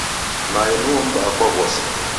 Mae nuo m'baa kwa w'ose.